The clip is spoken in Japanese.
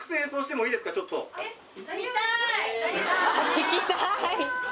聴きたい。